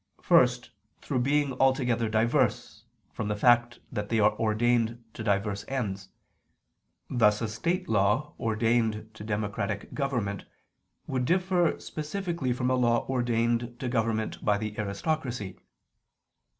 First, through being altogether diverse, from the fact that they are ordained to diverse ends: thus a state law ordained to democratic government, would differ specifically from a law ordained to government by the aristocracy.